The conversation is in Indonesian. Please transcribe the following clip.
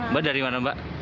mbak dari mana mbak